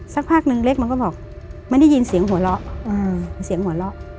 สักพักหนึ่งเล็กมันก็บอกมันได้ยินเสียงหัวเราะ